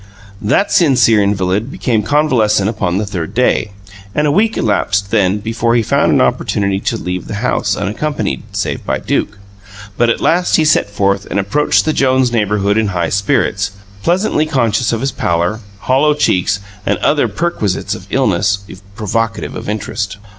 That sincere invalid became convalescent upon the third day; and a week elapsed, then, before he found an opportunity to leave the house unaccompanied save by Duke. But at last he set forth and approached the Jones neighbourhood in high spirits, pleasantly conscious of his pallor, hollow cheeks, and other perquisites of illness provocative of interest.